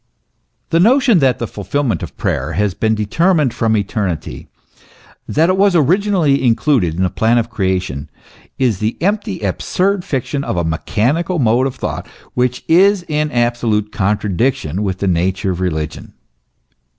The notion that the fulfilment of prayer has been deter mined from eternity, that it was originally included in the plan of creation, is the empty, absurd fiction of a mechanical mode of thought, which is in absolute contradiction with the nature of religion.